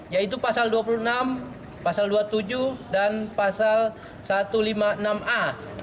yaitu pasal dua puluh enam pasal dua puluh tujuh dan pasal satu ratus lima puluh enam a